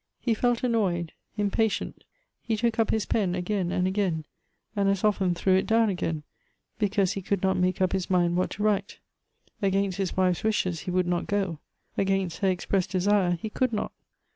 He felt annoyed, impatient ; he took up liis pen again and again, and as often threw it down again, because he could not make up his mind what to write. Against his wife's wishes he would not go ; against her expressed desire he could not.